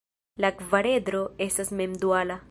La kvaredro estas mem duala.